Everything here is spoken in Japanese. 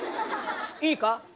いいか？